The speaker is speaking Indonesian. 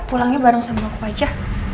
pulangnya bareng sama aku aja